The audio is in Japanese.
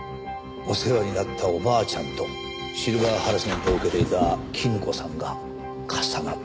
お世話になったおばあちゃんとシルバーハラスメントを受けていた絹子さんが重なった。